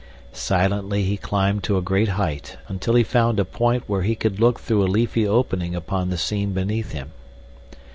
Silently he climbed to a great height until he found a point where he could look through a leafy opening upon the scene beneath him.